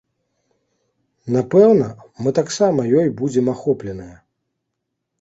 Напэўна, мы таксама ёй будзем ахопленыя.